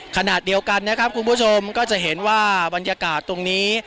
ขณะเดียวกันนะครับคุณผู้ชมก็จะเห็นว่าบรรยากาศตรงนี้